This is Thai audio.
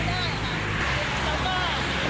และไปแก้งบางของเขา